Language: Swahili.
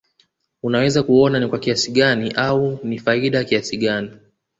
unaweza kuona ni kwa kiasi gani au ni faida kiasi gani